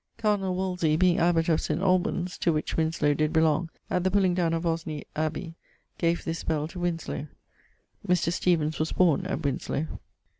Cardinall Wolsey, being abbot of St. Alban's (to which Winslowe did belong), at the pulling downe of Osney abbey, gave this bell to Winslowe Mr. Steevens was borne at Winslowe.